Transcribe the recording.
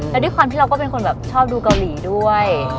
และด้วยความที่เราก็เป็นคนแบบชอบดูเกาหลีด้วย